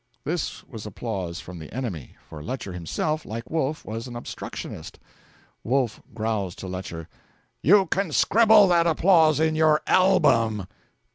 This was applause from the enemy, for Lecher himself, like Wolf, was an Obstructionist. Wolf growls to Lecher, 'You can scribble that applause in your album!'